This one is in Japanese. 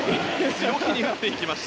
強気に打っていきました。